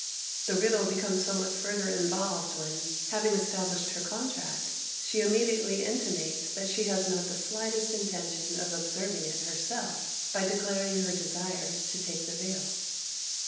The riddle becomes somewhat further involved when, having established her contract, she immediately intimates that she has not the slightest intention of observing it herself, by declaring her desire to take the veil.